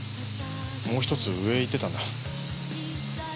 もう１つ上へ行ってたんだ。